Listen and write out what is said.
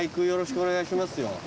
よろしくお願いしますよ。